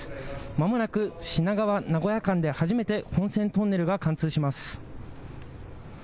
まもなく品川・名古屋間で初めて本線トンネルが貫通します。